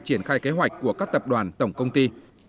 triển khai kế hoạch của các tập đoàn tổng công ty